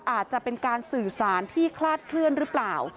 อาจจะเป็นการสื่อสารที่คลาดเคลื่อนหรือเปล่า